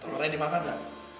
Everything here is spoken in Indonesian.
telurnya dimakan gak